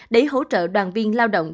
để hỗ trợ đoàn viên lao động